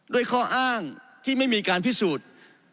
ด้วยข้ออ้างที่ไม่มีการพิสูจน์